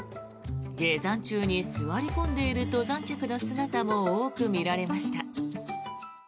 下山中に座り込んでいる登山客の姿も多く見られました。